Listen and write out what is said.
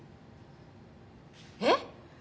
えっ！